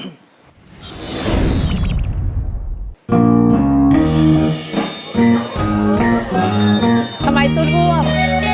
เอาไม่สู้ควบ